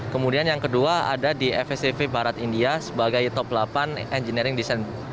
kemudian yang kedua ada di fscv barat india sebagai top delapan engineering design